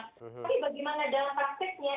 tapi bagaimana dalam praktiknya